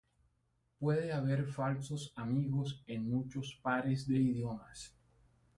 Puede haber falsos amigos en muchos pares de idiomas.